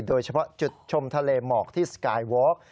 โดยเฉพาะจุดชมทะเลหมอกที่สกายวอล์ก